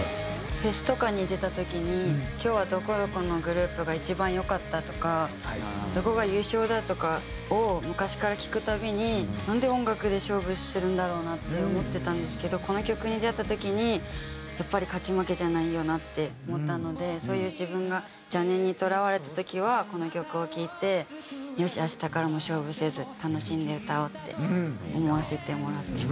フェスとかに出た時に「今日はどこどこのグループが一番良かった」とか「どこが優勝だ」とかを昔から聞くたびになんで音楽で勝負するんだろうな？って思ってたんですけどこの曲に出会った時にやっぱり勝ち負けじゃないよなって思ったのでそういう自分が邪念にとらわれた時はこの曲を聴いてよし明日からも勝負せず楽しんで歌おうって思わせてもらってます。